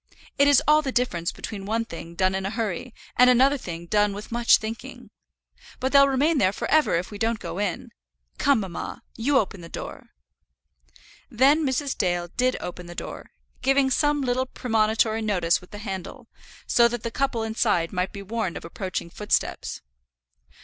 It is all the difference between one thing done in a hurry, and another done with much thinking. But they'll remain there for ever if we don't go in. Come, mamma, you open the door." Then Mrs. Dale did open the door, giving some little premonitory notice with the handle, so that the couple inside might be warned of approaching footsteps.